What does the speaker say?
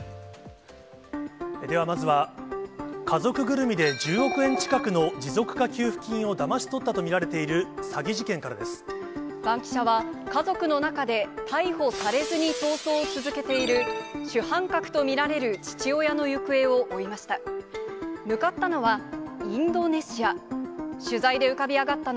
ではまずは、家族ぐるみで１０億円近くの持続化給付金をだまし取ったと見られバンキシャは、家族の中で逮捕されずに逃走を続けている主犯格と見られる父親の行方を追いました。